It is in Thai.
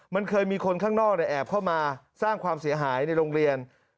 มันเคยมีคนข้างนอกแอบเข้ามาสร้างความเสียหายในโรงเรียน